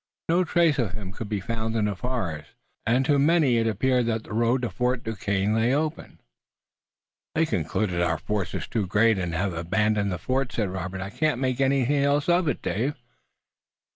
No trace of him could be found in the forest, and to many it appeared that the road to Fort Duquesne lay open. "They've concluded our force is too great and have abandoned the fort," said Robert. "I can't make anything else of it, Dave."